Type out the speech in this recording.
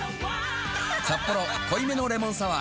「サッポロ濃いめのレモンサワー」